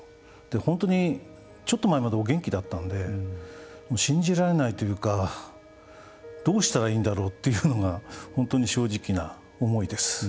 本当にちょっと前までお元気だったんで信じられないというかどうしたらいいんだろうというのが本当に正直な思いです。